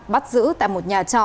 bắt giữ tại một nhà trọ